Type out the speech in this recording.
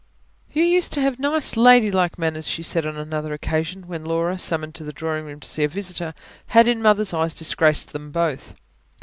"You used to have nice, ladylike manners," she said on another occasion, when Laura, summoned to the drawingroom to see a visitor, had in Mother's eyes disgraced them both.